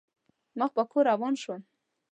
مخ په کور روان شوم.